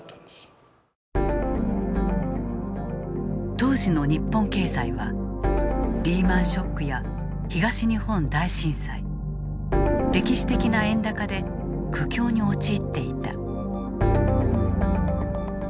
当時の日本経済はリーマンショックや東日本大震災歴史的な円高で苦境に陥っていた。